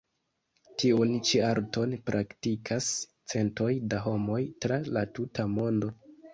Tiun ĉi arton praktikas centoj da homoj tra la tuta mondo.